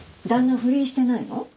不倫してないの？